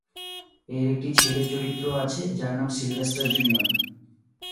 এর একটি ছেলে চরিত্র ও আছে, যার নাম সিলভেস্টার জুনিয়র।